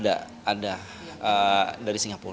ada ada dari singapura